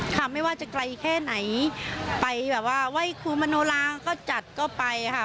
ไม่ว่าจะไกลแค่ไหนไปแบบว่าไหว้ครูมโนลาก็จัดก็ไปค่ะ